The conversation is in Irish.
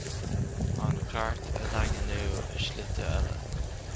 An Chairt a dhaingniú i slite eile.